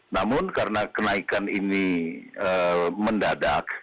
namun karena kenaikan ini mendadak